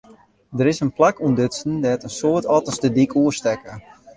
Der is in plak ûntdutsen dêr't in soad otters de dyk oerstekke.